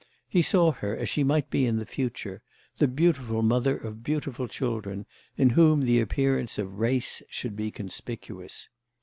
He saw her as she might be in the future, the beautiful mother of beautiful children in whom the appearance of "race" should be conspicuous.